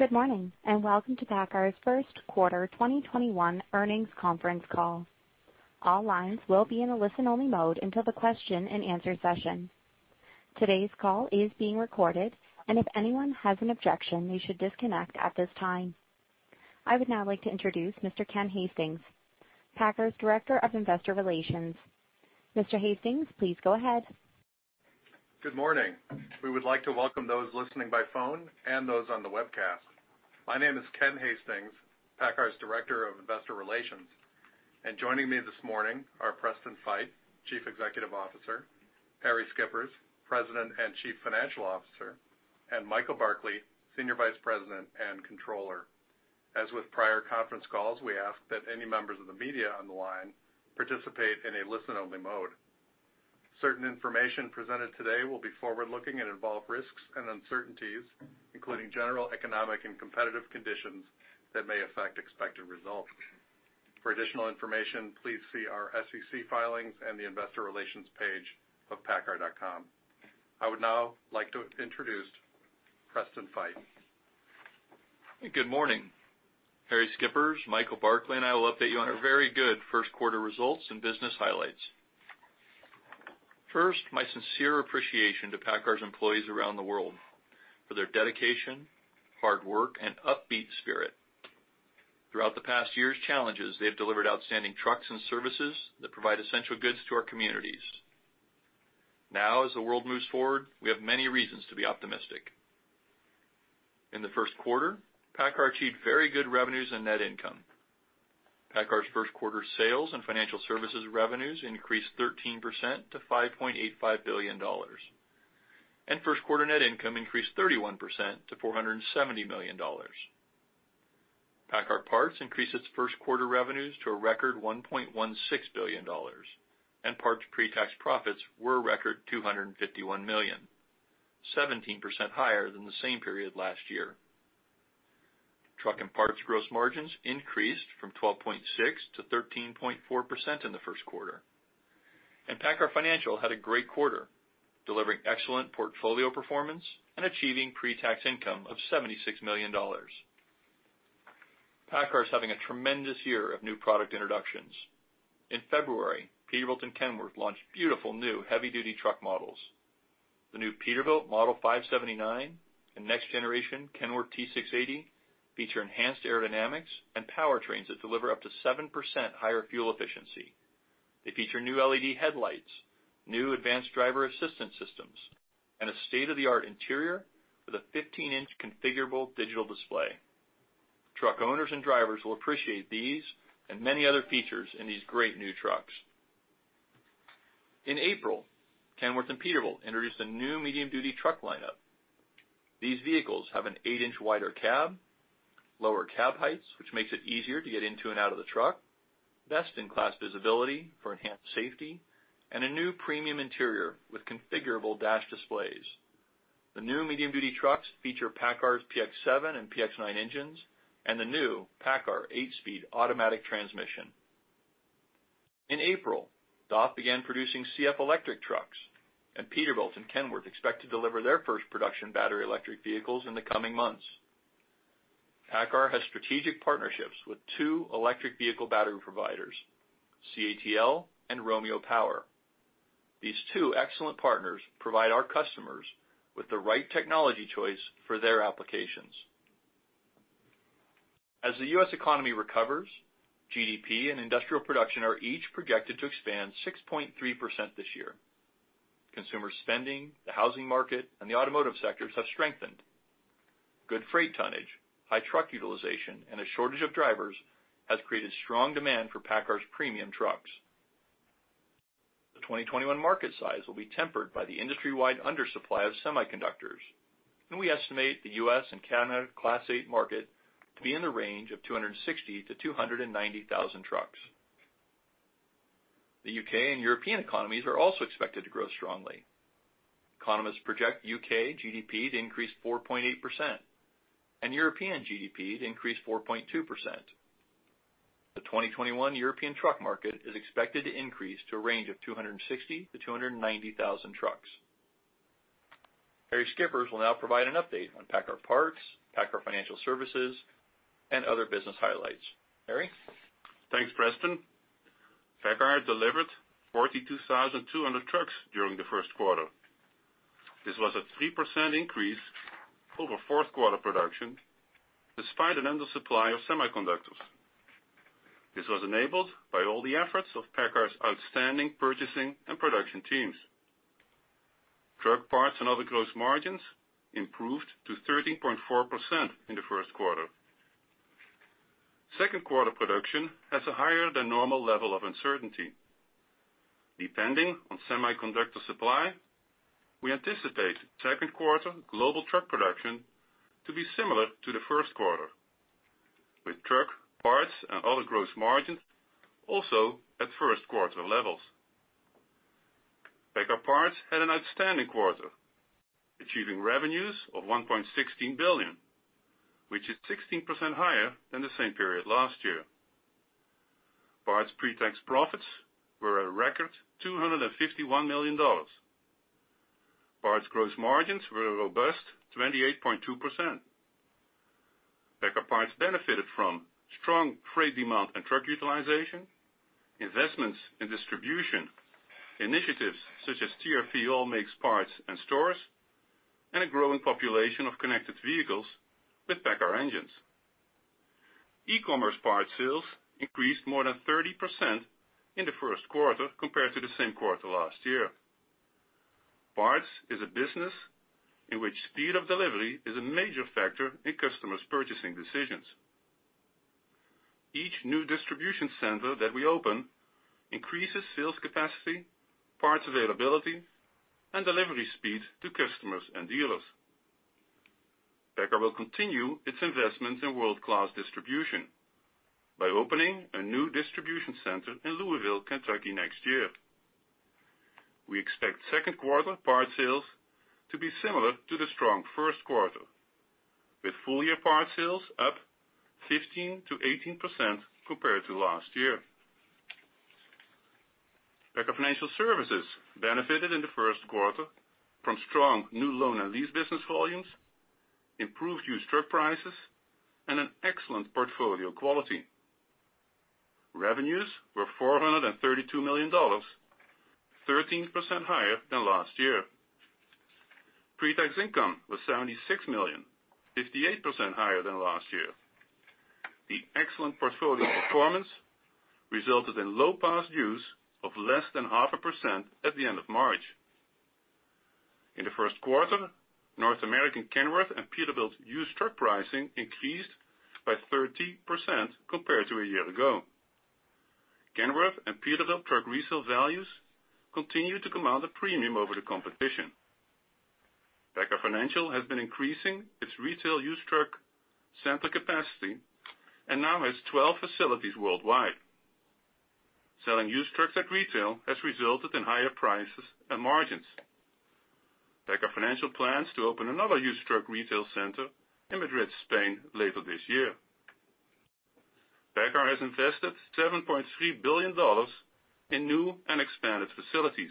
Good morning, welcome to Paccar's first quarter 2021 earnings conference call. All lines will be in a listen-only mode until the question and answer session. Today's call is being recorded, and if anyone has an objection, they should disconnect at this time. I would now like to introduce Mr. Ken Hastings, Paccar's Director of Investor Relations. Mr. Hastings, please go ahead. Good morning. We would like to welcome those listening by phone and those on the webcast. My name is Ken Hastings, Paccar's Director of Investor Relations, and joining me this morning are Preston Feight, Chief Executive Officer, Harrie Schippers, President and Chief Financial Officer, and Michael Barkley, Senior Vice President and Controller. As with prior conference calls, we ask that any members of the media on the line participate in a listen-only mode. Certain information presented today will be forward-looking and involve risks and uncertainties, including general economic and competitive conditions that may affect expected results. For additional information, please see our SEC filings and the investor relations page of paccar.com. I would now like to introduce Preston Feight. Good morning. Harrie Schippers, Michael Barkley, and I will update you on our very good first-quarter results and business highlights. First, my sincere appreciation to Paccar's employees around the world for their dedication, hard work, and upbeat spirit. Throughout the past year's challenges, they have delivered outstanding trucks and services that provide essential goods to our communities. Now, as the world moves forward, we have many reasons to be optimistic. In the first quarter, Paccar achieved very good revenues and net income. Paccar's first-quarter sales and financial services revenues increased 13% to $5.85 billion. First quarter net income increased 31% to $470 million. Paccar Parts increased its first quarter revenues to a record $1.16 billion, and Parts pre-tax profits were a record $251 million, 17% higher than the same period last year. Truck and Parts gross margins increased from 12.6%-13.4% in the first quarter. Paccar Financial had a great quarter, delivering excellent portfolio performance and achieving pre-tax income of $76 million. Paccar is having a tremendous year of new product introductions. In February, Peterbilt and Kenworth launched beautiful new heavy-duty truck models. The new Peterbilt Model 579 and next-generation Kenworth T680 feature enhanced aerodynamics and powertrains that deliver up to 7% higher fuel efficiency. They feature new LED headlights, new advanced driver assistance systems, and a state-of-the-art interior with a 15-inch configurable digital display. Truck owners and drivers will appreciate these and many other features in these great new trucks. In April, Kenworth and Peterbilt introduced a new medium-duty truck lineup. These vehicles have an eight-inch wider cab, lower cab heights, which makes it easier to get into and out of the truck, best-in-class visibility for enhanced safety, and a new premium interior with configurable dash displays. The new medium-duty trucks feature Paccar's PX-7 and PX-9 engines and the new Paccar eight-speed automatic transmission. In April, DAF began producing CF Electric trucks, and Peterbilt and Kenworth expect to deliver their first production battery electric vehicles in the coming months. Paccar has strategic partnerships with two electric vehicle battery providers, CATL and Romeo Power. These two excellent partners provide our customers with the right technology choice for their applications. As the U.S. economy recovers, GDP and industrial production are each projected to expand 6.3% this year. Consumer spending, the housing market, and the automotive sectors have strengthened. Good freight tonnage, high truck utilization, and a shortage of drivers has created strong demand for Paccar's premium trucks. The 2021 market size will be tempered by the industry-wide undersupply of semiconductors, and we estimate the U.S. and Canada Class 8 market to be in the range of 260,000-290,000 trucks. The U.K. and European economies are also expected to grow strongly. Economists project U.K. GDP to increase 4.8% and European GDP to increase 4.2%. The 2021 European truck market is expected to increase to a range of 260,000-290,000 trucks. Harrie Schippers will now provide an update on Paccar Parts, Paccar Financial Services, and other business highlights. Harrie? Thanks, Preston. Paccar delivered 42,200 trucks during the first quarter. This was a 3% increase over fourth quarter production despite an undersupply of semiconductors. This was enabled by all the efforts of Paccar's outstanding purchasing and production teams. Truck parts and other gross margins improved to 13.4% in the first quarter. Second quarter production has a higher-than-normal level of uncertainty. Depending on semiconductor supply, we anticipate second-quarter global truck production to be similar to the first quarter, with truck parts and other gross margins also at first-quarter levels. Paccar Parts had an outstanding quarter, achieving revenues of $1.16 billion, which is 16% higher than the same period last year. Parts pre-tax profits were a record $251 million. Parts gross margins were a robust 28.2%. Paccar Parts benefited from strong freight demand and truck utilization, investments in distribution initiatives such as TRP All-Makes Parts and Stores, and a growing population of connected vehicles with Paccar engines. e-commerce parts sales increased more than 30% in the first quarter compared to the same quarter last year. Parts is a business in which speed of delivery is a major factor in customers' purchasing decisions. Each new distribution center that we open increases sales capacity, parts availability, and delivery speed to customers and dealers. Paccar will continue its investment in world-class distribution by opening a new distribution center in Louisville, Kentucky, next year. We expect second-quarter parts sales to be similar to the strong first quarter, with full-year parts sales up 15%-18% compared to last year. Paccar Financial Services benefited in the first quarter from strong new loan and lease business volumes, improved used truck prices, and an excellent portfolio quality. Revenues were $432 million, 13% higher than last year. Pre-tax income was $76 million, 58% higher than last year. The excellent portfolio performance resulted in low past due of less than 0.5% at the end of March. In the first quarter, North American Kenworth and Peterbilt used truck pricing increased by 30% compared to a year ago. Kenworth and Peterbilt truck resale values continue to command a premium over the competition. Paccar Financial has been increasing its retail used truck center capacity and now has 12 facilities worldwide. Selling used trucks at retail has resulted in higher prices and margins. Paccar Financial plans to open another used truck retail center in Madrid, Spain, later this year. Paccar has invested $7.3 billion in new and expanded facilities,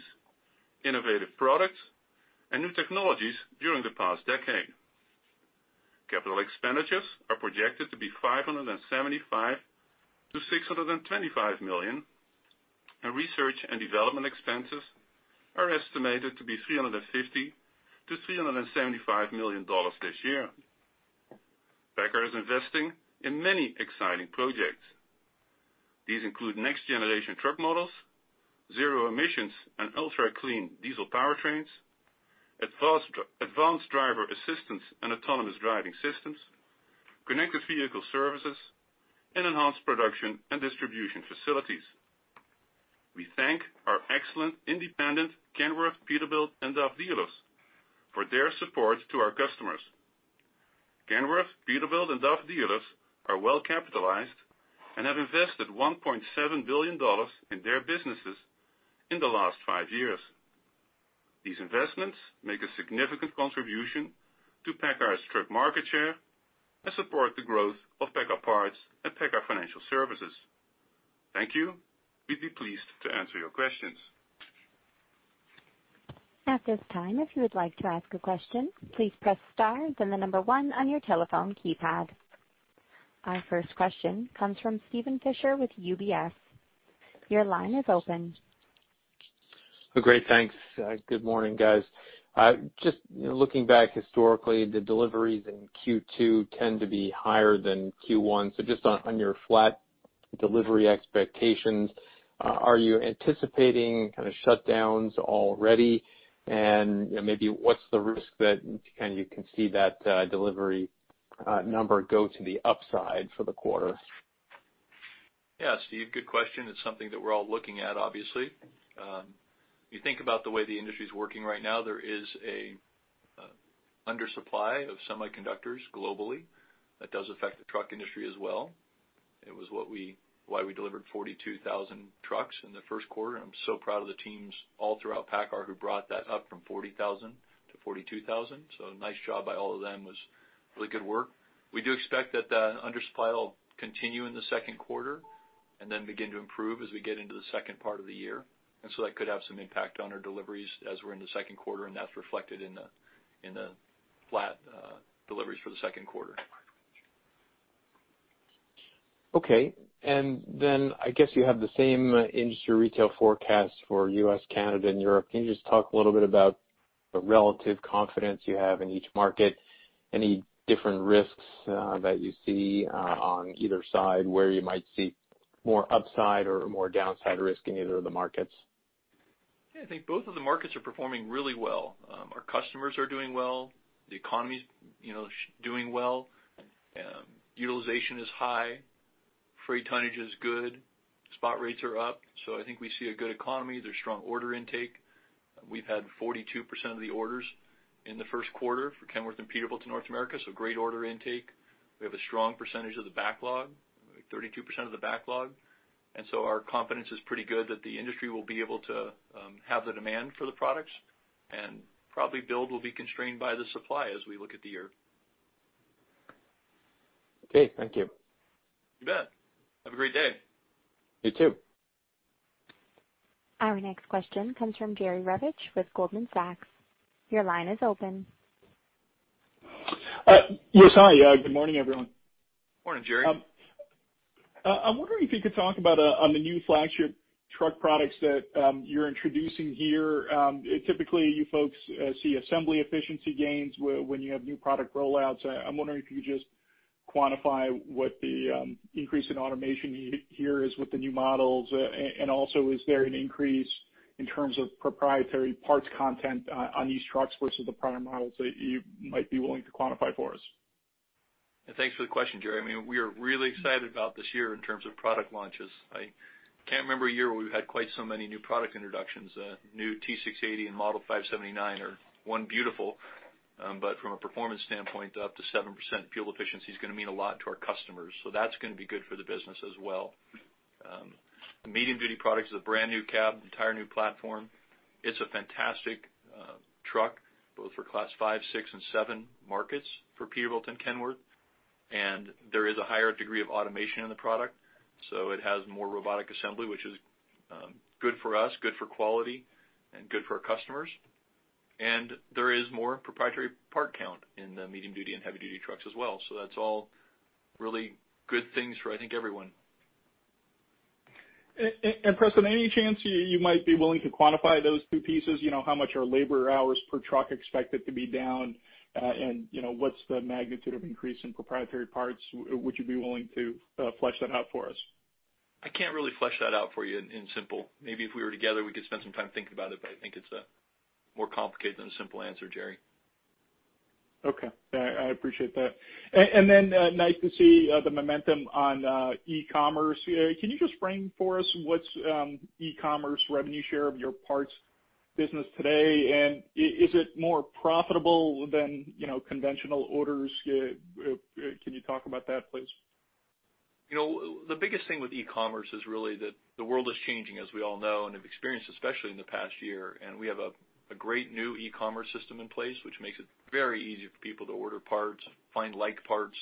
innovative products, and new technologies during the past decade. Capital expenditures are projected to be $575 million-$625 million, and research and development expenses are estimated to be $350 million-$375 million this year. Paccar is investing in many exciting projects. These include next-generation truck models, zero emissions and ultra-clean diesel powertrains, advanced driver assistance and autonomous driving systems, connected vehicle services, and enhanced production and distribution facilities. We thank our excellent independent Kenworth, Peterbilt, and DAF dealers for their support to our customers. Kenworth, Peterbilt, and DAF dealers are well capitalized and have invested $1.7 billion in their businesses in the last five years. These investments make a significant contribution to Paccar's truck market share and support the growth of Paccar Parts and Paccar Financial Services. Thank you. We'd be pleased to answer your questions. At this time, if you would like to ask a question, please press star then the number one on your telephone keypad. Our first question comes from Steven Fisher with UBS. Your line is open. Great. Thanks. Good morning, guys. Just looking back historically, the deliveries in Q2 tend to be higher than Q1. Just on your flat delivery expectations, are you anticipating shutdowns already? Maybe what's the risk that you can see that delivery number go to the upside for the quarter? Yeah, Steven Fisher, good question. It's something that we're all looking at, obviously. You think about the way the industry's working right now, there is an undersupply of semiconductors globally. That does affect the truck industry as well. It was why we delivered 42,000 trucks in the first quarter. I'm so proud of the teams all throughout Paccar who brought that up from 40,000 to 42,000. Nice job by all of them. It was really good work. We do expect that undersupply will continue in the second quarter and then begin to improve as we get into the second part of the year. That could have some impact on our deliveries as we're in the second quarter, and that's reflected in the flat deliveries for the second quarter. Okay. I guess you have the same industry retail forecast for U.S., Canada, and Europe. Can you just talk a little bit about the relative confidence you have in each market? Any different risks that you see on either side where you might see more upside or more downside risk in either of the markets? Yeah, I think both of the markets are performing really well. Our customers are doing well. The economy's doing well. Utilization is high. Freight tonnage is good. Spot rates are up. I think we see a good economy. There's strong order intake. We've had 42% of the orders in the first quarter for Kenworth and Peterbilt in North America, so great order intake. We have a strong percentage of the backlog, 32% of the backlog, our confidence is pretty good that the industry will be able to have the demand for the products and probably build will be constrained by the supply as we look at the year. Okay, thank you. You bet. Have a great day. You, too. Our next question comes from Jerry Revich with Goldman Sachs. Your line is open. Yes. Hi. Good morning, everyone. Morning, Jerry. I'm wondering if you could talk about on the new flagship truck products that you're introducing here. Typically, you folks see assembly efficiency gains when you have new product rollouts. I'm wondering if you could just quantify what the increase in automation here is with the new models. Also, is there an increase in terms of proprietary parts content on these trucks versus the prior models that you might be willing to quantify for us? Thanks for the question, Jerry. We are really excited about this year in terms of product launches. I can't remember a year where we've had quite so many new product introductions. New T680 and Model 579 are, one, beautiful. From a performance standpoint, up to 7% fuel efficiency is going to mean a lot to our customers. That's going to be good for the business as well. The medium-duty product is a brand-new cab, entire new platform. It's a fantastic truck, both for Class five, six, and seven markets for Peterbilt and Kenworth. There is a higher degree of automation in the product. It has more robotic assembly, which is good for us, good for quality, and good for our customers. There is more proprietary part count in the medium-duty and heavy-duty trucks as well. That's all really good things for, I think, everyone. Preston, any chance you might be willing to quantify those two pieces? How much are labor hours per truck expected to be down? What's the magnitude of increase in proprietary parts? Would you be willing to flesh that out for us? I can't really flesh that out for you in simple. Maybe if we were together, we could spend some time thinking about it, but I think it's more complicated than a simple answer, Jerry. Okay. I appreciate that. Nice to see the momentum on e-commerce. Can you just frame for us what's e-commerce revenue share of your parts business today? Is it more profitable than conventional orders? Can you talk about that, please? The biggest thing with e-commerce is really that the world is changing, as we all know and have experienced, especially in the past year. We have a great new e-commerce system in place, which makes it very easy for people to order parts, find like parts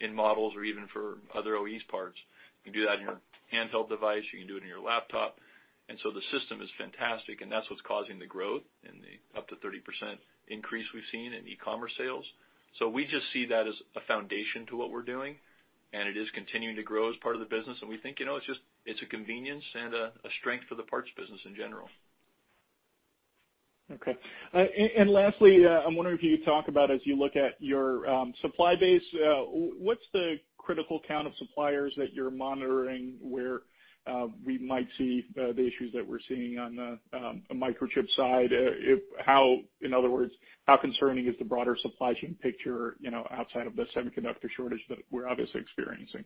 in models, or even for other OE's parts. You can do that on your handheld device, you can do it on your laptop. The system is fantastic, and that's what's causing the growth in the up to 30% increase we've seen in e-commerce sales. We just see that as a foundation to what we're doing, and it is continuing to grow as part of the business, and we think it's a convenience and a strength for the parts business in general. Okay. Lastly, I'm wondering if you could talk about as you look at your supply base, what's the critical count of suppliers that you're monitoring where we might see the issues that we're seeing on the microchip side? In other words, how concerning is the broader supply chain picture outside of the semiconductor shortage that we're obviously experiencing?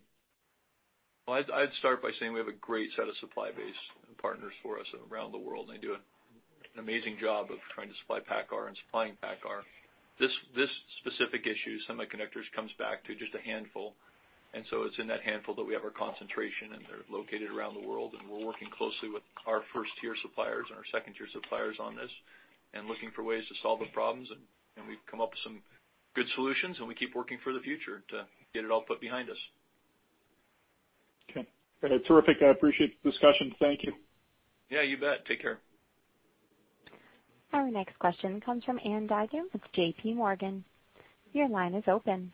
Well, I'd start by saying we have a great set of supply base partners for us around the world, and they do an amazing job of trying to supply Paccar and supplying Paccar. This specific issue, semiconductors, comes back to just a handful. It's in that handful that we have our concentration, and they're located around the world. We're working closely with our first-tier suppliers and our second-tier suppliers on this and looking for ways to solve the problems. We've come up with some good solutions, and we keep working for the future to get it all put behind us. Okay. Terrific. I appreciate the discussion. Thank you. Yeah, you bet. Take care. Our next question comes from Ann Duignan with JPMorgan. Your line is open.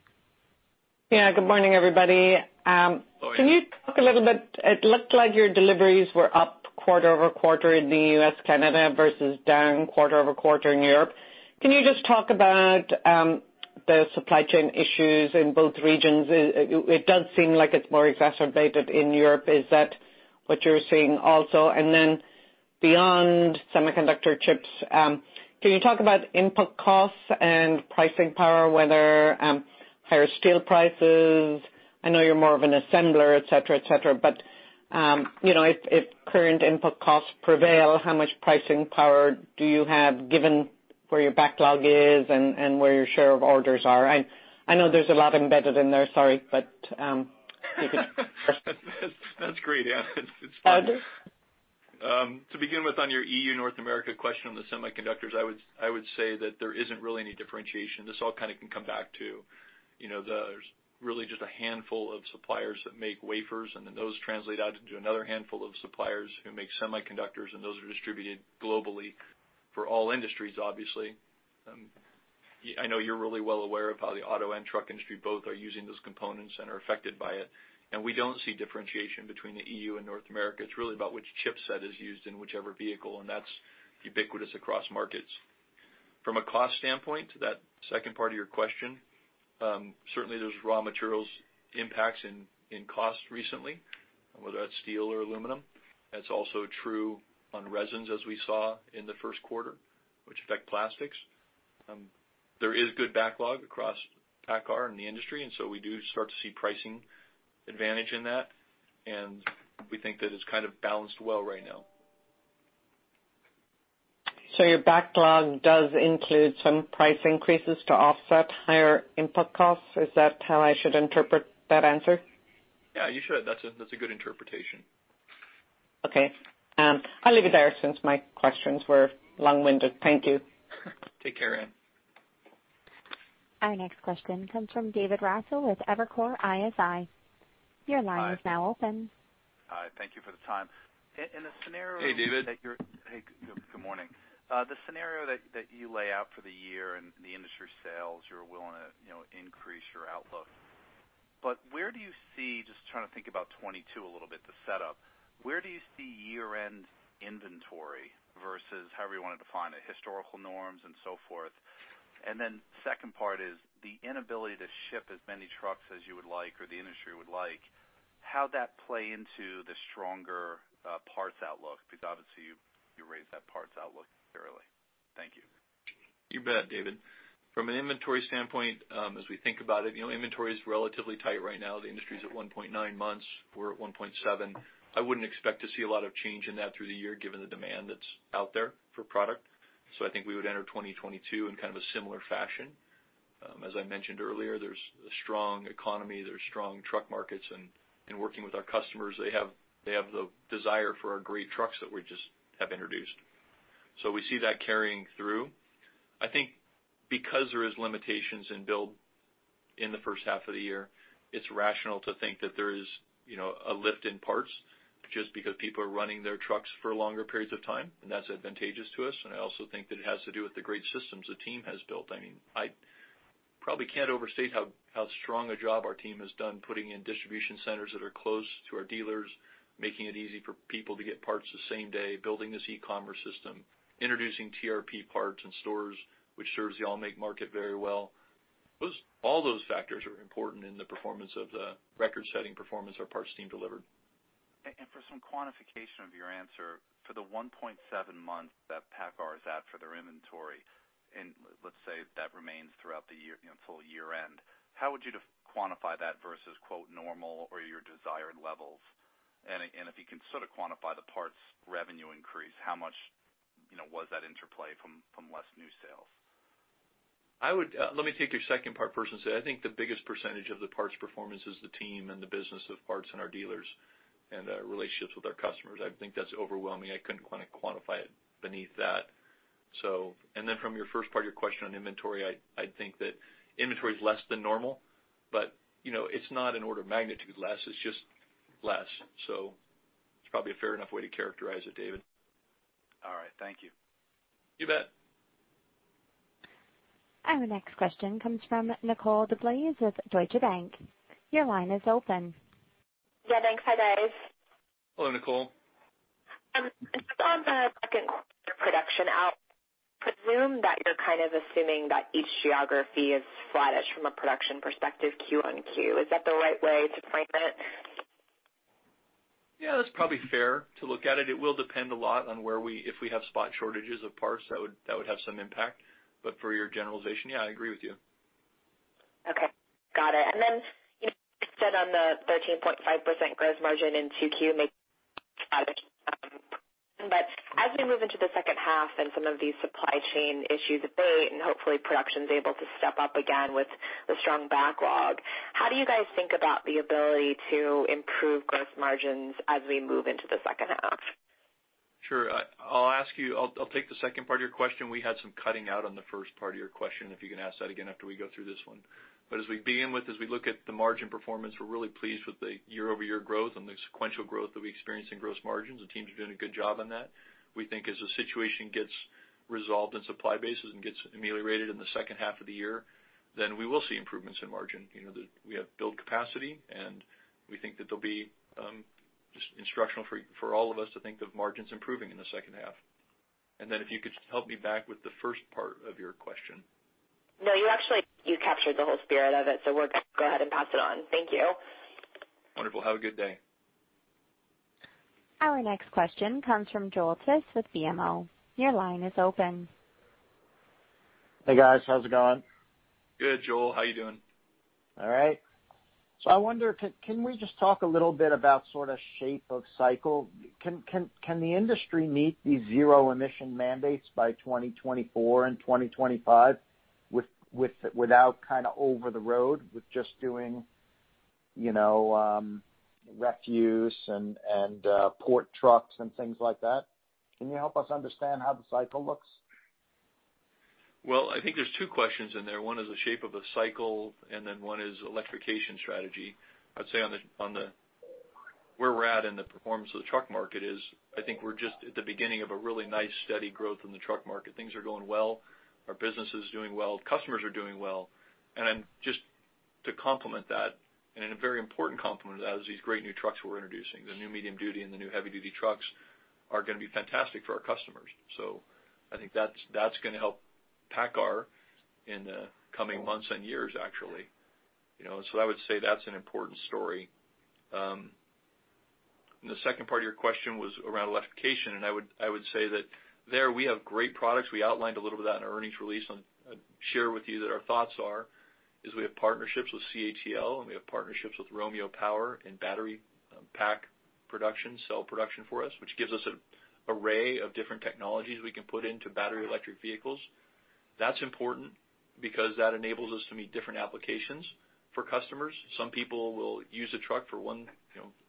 Yeah. Good morning, everybody. Good morning. Can you talk a little bit, it looked like your deliveries were up quarter-over-quarter in the U.S., Canada versus down quarter-over-quarter in Europe. Can you just talk about the supply chain issues in both regions? It does seem like it's more exacerbated in Europe. Is that what you're seeing also? Beyond semiconductor chips, can you talk about input costs and pricing power, whether higher steel prices? I know you're more of an assembler, et cetera. If current input costs prevail, how much pricing power do you have given where your backlog is and where your share of orders are? I know there's a lot embedded in there, sorry, if you could- That's great, Ann. To begin with, on your EU, North America question on the semiconductors, I would say that there isn't really any differentiation. This all can come back to there's really just a handful of suppliers that make wafers, and then those translate out into another handful of suppliers who make semiconductors, and those are distributed globally for all industries, obviously. I know you're really well aware of how the auto and truck industry both are using those components and are affected by it. We don't see differentiation between the EU and North America. It's really about which chipset is used in whichever vehicle, and that's ubiquitous across markets. From a cost standpoint, to that second part of your question, certainly there's raw materials impacts in cost recently, whether that's steel or aluminum. That's also true on resins as we saw in the first quarter, which affect plastics. There is good backlog across Paccar and the industry. We do start to see pricing advantage in that. We think that it's balanced well right now. Your backlog does include some price increases to offset higher input costs? Is that how I should interpret that answer? Yeah, you should. That's a good interpretation. Okay. I'll leave it there since my questions were long-winded. Thank you. Take care, Ann. Our next question comes from David Raso with Evercore ISI. Your line is now open. Hi, thank you for the time. Hey, David. Hey, good morning. The scenario that you lay out for the year and the industry sales, you're willing to increase your outlook. Where do you see, just trying to think about 2022 a little bit, the setup? Where do you see year-end inventory versus however you want to define it, historical norms and so forth? Second part is the inability to ship as many trucks as you would like or the industry would like, how'd that play into the stronger parts outlook? Obviously you raised that parts outlook thoroughly. Thank you. You bet, David. From an inventory standpoint, as we think about it, inventory's relatively tight right now. The industry's at 1.9 months. We're at 1.7. I wouldn't expect to see a lot of change in that through the year given the demand that's out there for product. I think we would enter 2022 in kind of a similar fashion. As I mentioned earlier, there's a strong economy, there's strong truck markets, and working with our customers, they have the desire for our great trucks that we just have introduced. We see that carrying through. I think because there is limitations in build in the first half of the year, it's rational to think that there is a lift in parts just because people are running their trucks for longer periods of time, and that's advantageous to us. I also think that it has to do with the great systems the team has built. I probably can't overstate how strong a job our team has done putting in distribution centers that are close to our dealers, making it easy for people to get parts the same day, building this e-commerce system, introducing TRP parts in stores, which serves the all-makes market very well. All those factors are important in the record-setting performance our parts team delivered. For some quantification of your answer, for the 1.7 months that Paccar is at for their inventory, and let's say that remains throughout the full year-end, how would you quantify that versus, quote, "normal" or your desired levels? If you can sort of quantify the parts revenue increase, how much was that interplay from less new sales? Let me take your second part first and say, I think the biggest percentage of the parts performance is the team and the business of parts and our dealers and the relationships with our customers. I think that's overwhelming. I couldn't quantify it beneath that. From your first part of your question on inventory, I'd think that inventory's less than normal, but it's not an order of magnitude less. It's just less. It's probably a fair enough way to characterize it, David. All right. Thank you. You bet. Our next question comes from Nicole DeBlase with Deutsche Bank. Your line is open. Yeah, thanks. Hi, guys. Hello, Nicole. On the second quarter production out, presume that you're kind of assuming that each geography is flattish from a production perspective Q on Q. Is that the right way to frame it? Yeah, that's probably fair to look at it. It will depend a lot on if we have spot shortages of parts. That would have some impact. For your generalization, yeah, I agree with you. Okay. Got it. You said on the 13.5% gross margin in Q2. As we move into the second half and some of these supply chain issues abate, and hopefully production's able to step up again with the strong backlog, how do you guys think about the ability to improve gross margins as we move into the second half? Sure. I'll take the second part of your question. We had some cutting out on the first part of your question; if you can ask that again after we go through this one. As we look at the margin performance, we're really pleased with the year-over-year growth and the sequential growth that we experience in gross margins. The team's doing a good job on that. We think as the situation gets resolved in supply bases and gets ameliorated in the second half of the year, we will see improvements in margin. We have build capacity, we think that they'll be just instructional for all of us to think of margins improving in the second half. If you could help me back with the first part of your question. No, you captured the whole spirit of it, so we're go ahead and pass it on. Thank you. Wonderful. Have a good day. Our next question comes from Joel Tiss with BMO. Your line is open. Hey, guys. How's it going? Good, Joel. How you doing? All right. I wonder, can we just talk a little bit about sort of shape of cycle? Can the industry meet these zero-emission mandates by 2024 and 2025 without kind of over the road with just doing refuse and port trucks and things like that? Can you help us understand how the cycle looks? Well, I think there's two questions in there. One is the shape of the cycle, and then one is electrification strategy. I'd say on where we're at in the performance of the truck market is I think we're just at the beginning of a really nice steady growth in the truck market. Things are going well. Our business is doing well. Customers are doing well. Just to complement that, and a very important complement as these great new trucks we're introducing, the new medium-duty and the new heavy-duty trucks are going to be fantastic for our customers. I think that's going to help Paccar in the coming months and years, actually. I would say that's an important story. The second part of your question was around electrification, and I would say that there we have great products. We outlined a little of that in our earnings release. I'll share with you that our thoughts are is we have partnerships with CATL, we have partnerships with Romeo Power in battery pack production, cell production for us, which gives us an array of different technologies we can put into battery electric vehicles. That's important because that enables us to meet different applications for customers. Some people will use a truck for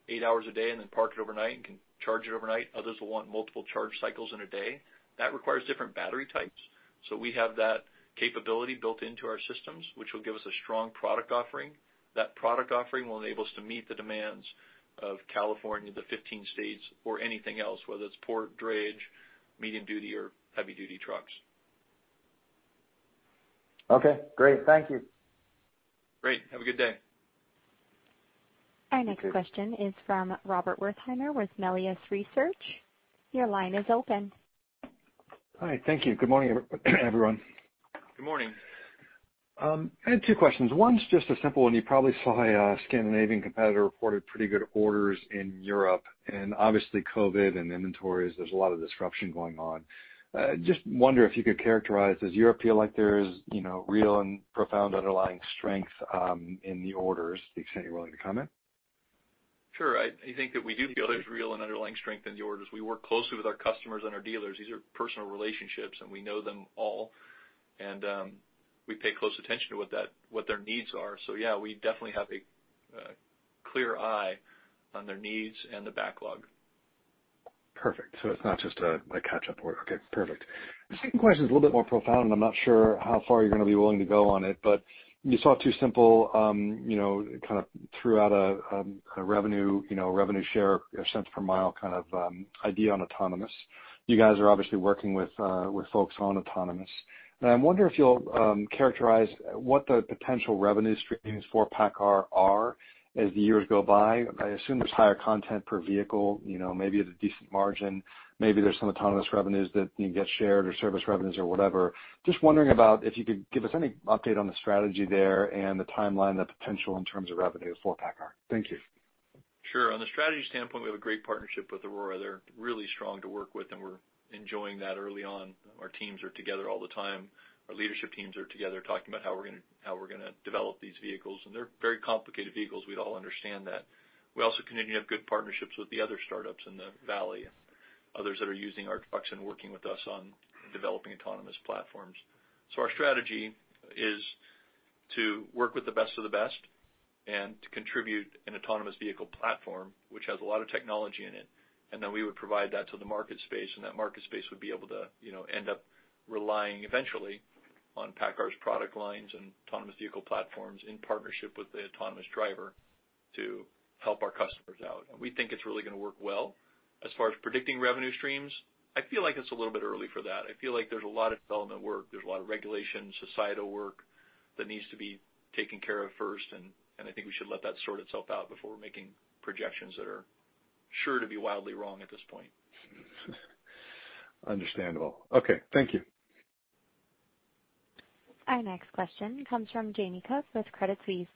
eight hours a day and then park it overnight and can charge it overnight. Others will want multiple charge cycles in a day. That requires different battery types. We have that capability built into our systems, which will give us a strong product offering. That product offering will enable us to meet the demands of California, the 15 states, or anything else, whether it's port drayage, medium-duty or heavy-duty trucks. Okay, great. Thank you. Great. Have a good day. Our next question is from Robert Wertheimer with Melius Research. Your line is open. Hi. Thank you. Good morning, everyone. Good morning. I had two questions. One's just a simple one. You probably saw a Scandinavian competitor reported pretty good orders in Europe, and obviously COVID and inventories, there's a lot of disruption going on. Just wonder if you could characterize, does Europe feel like there's real and profound underlying strength in the orders, to the extent you're willing to comment? Sure. I think that we do feel there's real and underlying strength in the orders. We work closely with our customers and our dealers. These are personal relationships, we know them all. We pay close attention to what their needs are. Yeah, we definitely have a clear eye on their needs and the backlog. Perfect. It's not just a catch-up work. Okay, perfect. The second question is a little bit more profound, and I'm not sure how far you're going to be willing to go on it, but you saw TuSimple threw out a kind of revenue share, a cents per mile kind of idea on autonomous. You guys are obviously working with folks on autonomous. I wonder if you'll characterize what the potential revenue streams for Paccar are as the years go by. I assume there's higher content per vehicle, maybe at a decent margin. Maybe there's some autonomous revenues that you can get shared or service revenues or whatever. Just wondering about if you could give us any update on the strategy there and the timeline, the potential in terms of revenue for Paccar. Thank you. Sure. On the strategy standpoint, we have a great partnership with Aurora. They're really strong to work with, and we're enjoying that early on. Our teams are together all the time. Our leadership teams are together talking about how we're going to develop these vehicles. They're very complicated vehicles. We'd all understand that. We also continue to have good partnerships with the other startups in the Valley, others that are using our trucks and working with us on developing autonomous platforms. Our strategy is to work with the best of the best and to contribute an autonomous vehicle platform which has a lot of technology in it, and then we would provide that to the market space, and that market space would be able to end up relying eventually on Paccar's product lines and autonomous vehicle platforms in partnership with the autonomous driver to help our customers out. We think it's really going to work well. As far as predicting revenue streams, I feel like it's a little bit early for that. I feel like there's a lot of development work. There's a lot of regulation, societal work that needs to be taken care of first, and I think we should let that sort itself out before making projections that are sure to be wildly wrong at this point. Understandable. Okay. Thank you. Our next question comes from Jamie Cook with Credit Suisse.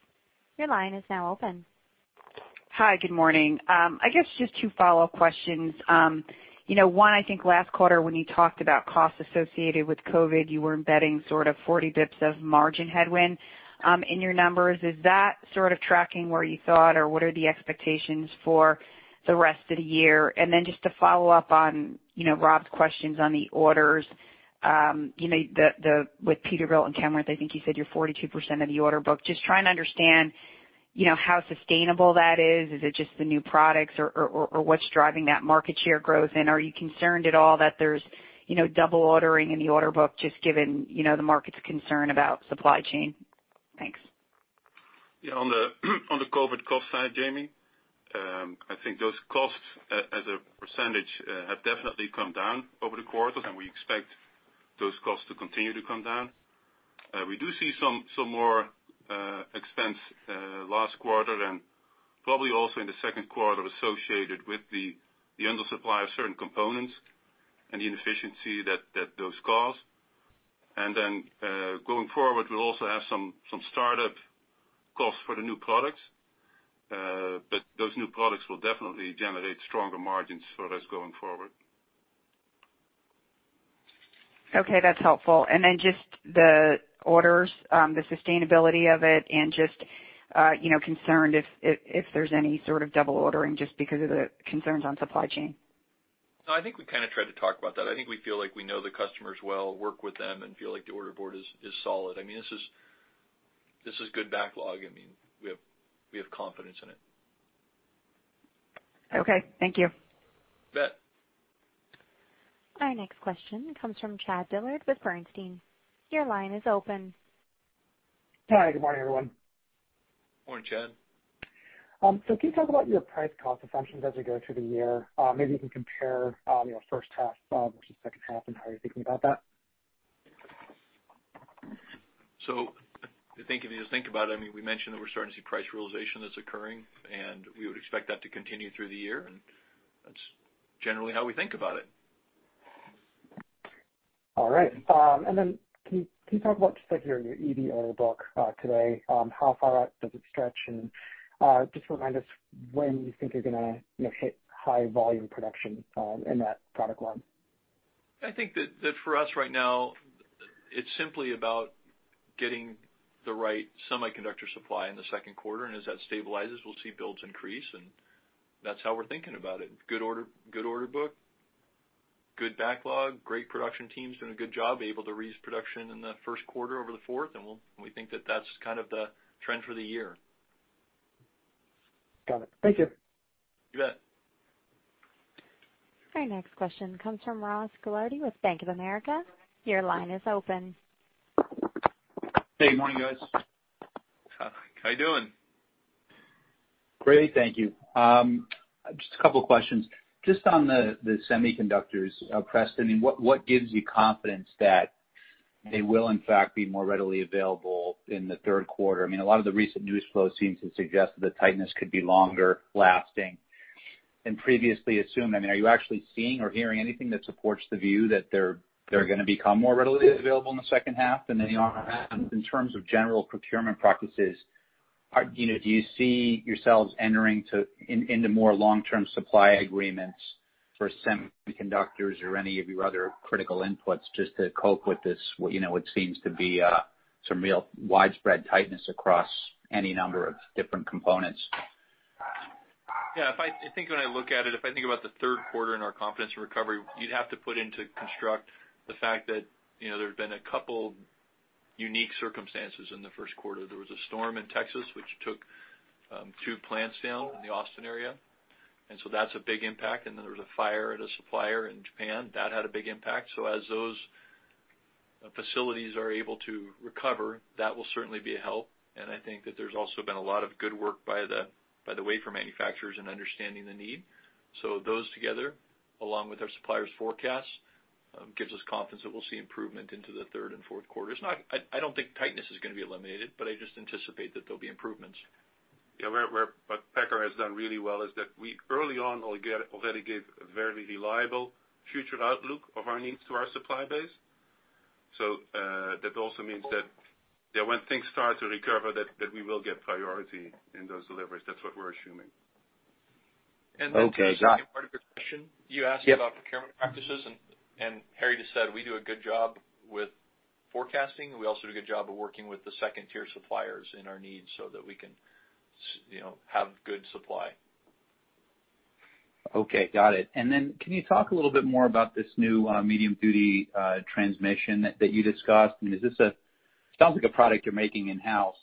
Your line is now open. Hi, good morning. I guess just two follow-up questions. One, I think last quarter when you talked about costs associated with COVID, you were embedding sort of 40 basis points of margin headwind in your numbers. Is that sort of tracking where you thought, or what are the expectations for the rest of the year? Just to follow up on Rob's questions on the orders. With Peterbilt and Kenworth, I think you said you're 42% of the order book. I'm just trying to understand how sustainable that is. Is it just the new products or what's driving that market share growth? Are you concerned at all that there's double ordering in the order book, just given the market's concern about supply chain? Thanks. Yeah, on the COVID cost side, Jamie, I think those costs as a percentage have definitely come down over the quarter, and we expect those costs to continue to come down. We do see some more expense last quarter and probably also in the second quarter associated with the undersupply of certain components and the inefficiency that those cause. Going forward, we'll also have some startup costs for the new products. Those new products will definitely generate stronger margins for us going forward. Okay, that's helpful. Then just the orders, the sustainability of it and just concerned if there's any sort of double ordering just because of the concerns on supply chain. I think we kind of tried to talk about that. I think we feel like we know the customers well, work with them, and feel like the order board is solid. This is good backlog. We have confidence in it. Okay. Thank you. You bet. Our next question comes from Chad Dillard with Bernstein. Your line is open. Hi. Good morning, everyone. Morning, Chad. Can you talk about your price-cost assumptions as we go through the year? Maybe you can compare first half versus second half and how you're thinking about that. I think if you think about it, we mentioned that we're starting to see price realization that's occurring, and we would expect that to continue through the year, and that's generally how we think about it. All right. Then can you talk about just your EV order book today? How far out does it stretch? Just remind us when you think you're going to hit high-volume production in that product line. I think that for us right now, it's simply about getting the right semiconductor supply in the second quarter, and as that stabilizes, we'll see builds increase, and that's how we're thinking about it. Good order book, good backlog, great production team's doing a good job, able to raise production in the first quarter over the fourth, and we think that that's kind of the trend for the year. Got it. Thank you. You bet. Our next question comes from Ross Gilardi with Bank of America. Your line is open. Hey, good morning, guys. How are you doing? Great, thank you. Just a couple of questions. Just on the semiconductors, Preston, what gives you confidence that they will in fact be more readily available in the third quarter? A lot of the recent news flow seems to suggest that the tightness could be longer-lasting than previously assumed. Are you actually seeing or hearing anything that supports the view that they're going to become more readily available in the second half? Then in terms of general procurement practices, do you see yourselves entering into more long-term supply agreements for semiconductors or any of your other critical inputs just to cope with this, what seems to be some real widespread tightness across any number of different components? I think when I look at it, if I think about the third quarter and our confidence in recovery, you'd have to put into construct the fact that there's been a couple unique circumstances in the first quarter. There was a storm in Texas which took two plants down in the Austin area, that's a big impact. There was a fire at a supplier in Japan. That had a big impact. As those facilities are able to recover, that will certainly be a help. I think that there's also been a lot of good work by the wafer manufacturers in understanding the need. Those together, along with our suppliers' forecasts, gives us confidence that we'll see improvement into the third and fourth quarters. I don't think tightness is going to be eliminated, but I just anticipate that there'll be improvements. Yeah. Where Paccar has done really well is that we early on already gave a very reliable future outlook of our needs to our supply base. That also means that when things start to recover, that we will get priority in those deliveries. That's what we're assuming. Okay. The second part of your question, you asked about procurement practices, and Harrie just said we do a good job with forecasting. We also do a good job of working with the second-tier suppliers in our needs so that we can have good supply. Okay, got it. Can you talk a little bit more about this new medium-duty transmission that you discussed? It sounds like a product you're making in-house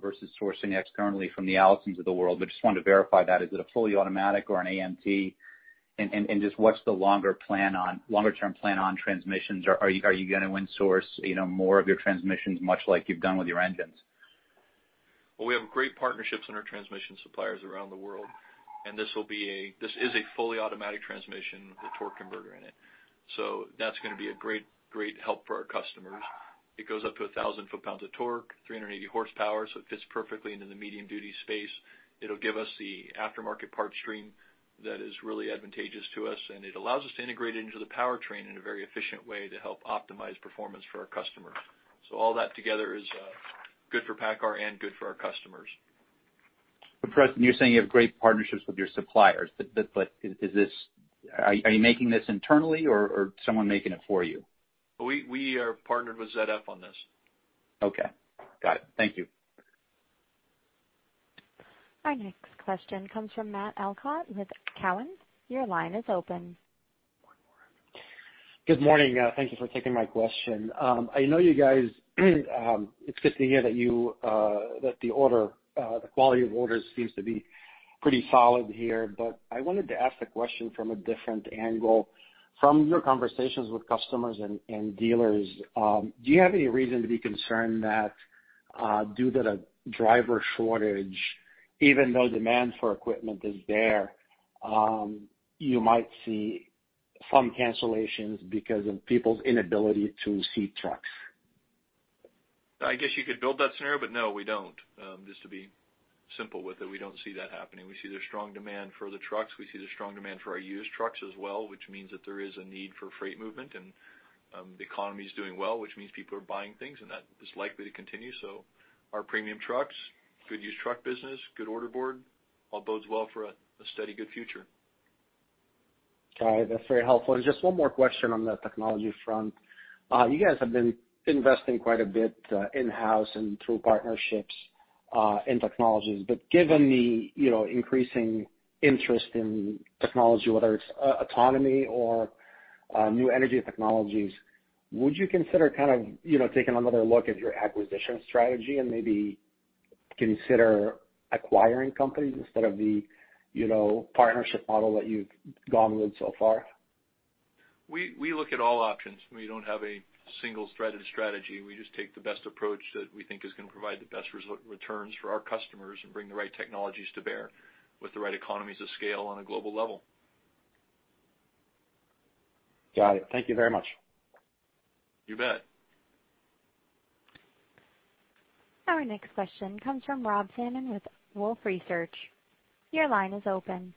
versus sourcing externally from the Allisons of the world, but just wanted to verify that. Is it a fully automatic or an AMT? Just what's the longer term plan on transmissions? Are you going to in-source more of your transmissions, much like you've done with your engines? Well, we have great partnerships in our transmission suppliers around the world. This is a fully automatic transmission with a torque converter in it. That's going to be a great help for our customers. It goes up to 1,000 foot-pounds of torque, 380 horsepower. It fits perfectly into the medium-duty space. It'll give us the aftermarket parts stream that is really advantageous to us. It allows us to integrate it into the powertrain in a very efficient way to help optimize performance for our customers. All that together is good for Paccar and good for our customers. Preston, you're saying you have great partnerships with your suppliers. Are you making this internally or is someone making it for you? We are partnered with ZF on this. Okay. Got it. Thank you. Our next question comes from Matt Elkott with TD Cowen. Your line is open. Good morning. Thank you for taking my question. I know you guys it's good to hear that the quality of orders seems to be pretty solid here. I wanted to ask the question from a different angle. From your conversations with customers and dealers, do you have any reason to be concerned that, due to the driver shortage, even though demand for equipment is there, you might see some cancellations because of people's inability to seat trucks? I guess you could build that scenario, but no, we don't. Just to be simple with it, we don't see that happening. We see there's strong demand for the trucks. We see there's strong demand for our used trucks as well, which means that there is a need for freight movement and the economy's doing well, which means people are buying things, and that is likely to continue. Our premium trucks, good used truck business, good order board, all bodes well for a steady, good future. Got it. That's very helpful. Just one more question on the technology front. You guys have been investing quite a bit in-house and through partnerships in technologies. Given the increasing interest in technology, whether it's autonomy or new energy technologies, would you consider taking another look at your acquisition strategy and maybe consider acquiring companies instead of the partnership model that you've gone with so far? We look at all options. We don't have a single-threaded strategy. We just take the best approach that we think is going to provide the best returns for our customers and bring the right technologies to bear with the right economies of scale on a global level. Got it. Thank you very much. You bet. Our next question comes from Rob Salmon with Wolfe Research. Your line is open.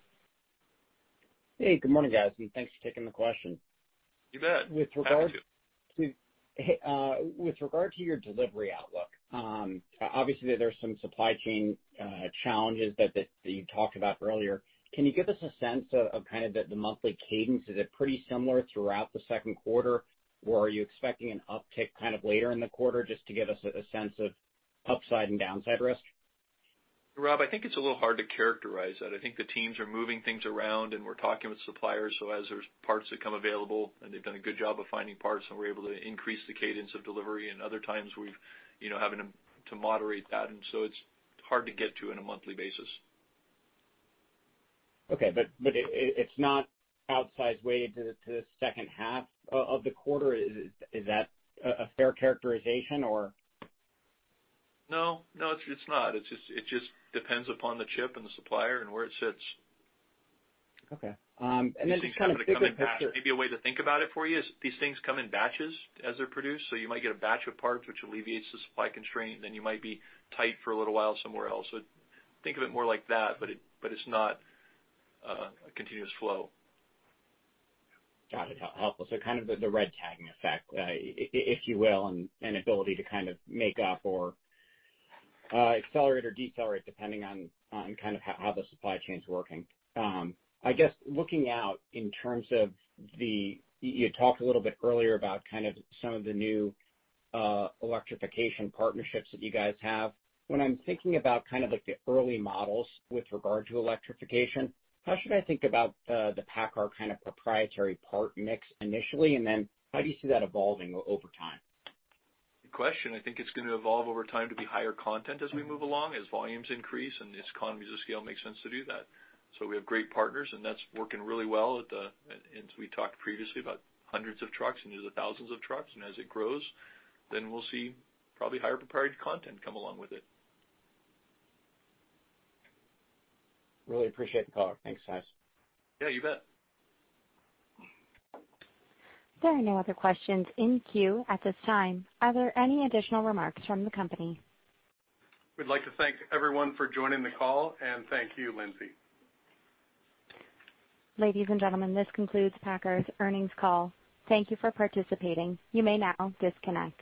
Hey, good morning, guys, and thanks for taking the question. You bet. Happy to. With regard to your delivery outlook, obviously there are some supply chain challenges that you talked about earlier. Can you give us a sense of the monthly cadence? Is it pretty similar throughout the second quarter, or are you expecting an uptick later in the quarter, just to give us a sense of upside and downside risk? Rob, I think it's a little hard to characterize that. I think the teams are moving things around, and we're talking with suppliers, so as there's parts that come available, and they've done a good job of finding parts, and we're able to increase the cadence of delivery, other times having to moderate that. It's hard to get to on a monthly basis. Okay, it's not outsized weighted to the second half of the quarter. Is that a fair characterization, or? No, it's not. It just depends upon the chip and the supplier and where it sits. Okay. Then just kind of a bigger picture. Maybe a way to think about it for you is these things come in batches as they're produced, so you might get a batch of parts which alleviates the supply constraint, then you might be tight for a little while somewhere else. Think of it more like that, but it's not a continuous flow. Got it. Helpful. Kind of the red tagging effect, if you will, and ability to kind of make up or accelerate or decelerate depending on kind of how the supply chain's working. I guess looking out in terms of You talked a little bit earlier about kind of some of the new electrification partnerships that you guys have. When I'm thinking about kind of like the early models with regard to electrification, how should I think about the Paccar kind of proprietary part mix initially, and then how do you see that evolving over time? Good question. I think it's going to evolve over time to be higher content as we move along, as volumes increase and as economies of scale make sense to do that. We have great partners, and that's working really well. We talked previously about hundreds of trucks into the thousands of trucks. As it grows, we'll see probably higher proprietary content come along with it. Really appreciate the call. Thanks, guys. Yeah, you bet. There are no other questions in queue at this time. Are there any additional remarks from the company? We'd like to thank everyone for joining the call, and thank you, Lindsay. Ladies and gentlemen, this concludes Paccar's earnings call. Thank you for participating. You may now disconnect.